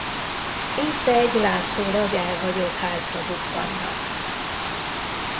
Itt egy látszólag elhagyott házra bukkannak.